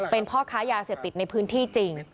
เป็นฆ่ายาเสียติดในพื้นที่จริง